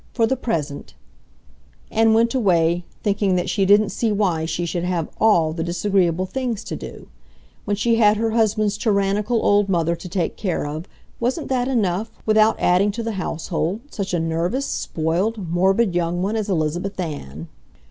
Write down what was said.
For the present ..." and went away, thinking that she didn't see why she should have ALL the disagreeable things to do. When she had her husband's tyrannical old mother to take care of, wasn't that enough, without adding to the household such a nervous, spoiled, morbid young one as Elizabeth Ann!